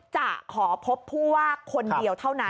จะขอพบผู้ว่าคนเดียวเท่านั้น